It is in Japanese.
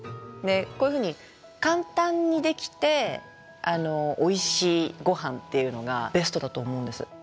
こういうふうに簡単にできておいしいごはんっていうのがベストだと思うんです。